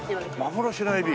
幻のエビ。